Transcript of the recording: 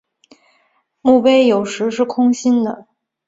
墓碑有时是空心的。